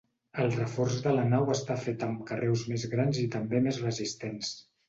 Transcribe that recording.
El reforç de la nau està fet amb carreus més grans i també més resistents.